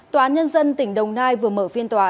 tòa nhân dân tỉnh đồng nai vừa mở phiên tòa